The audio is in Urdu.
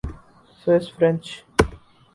Swiss French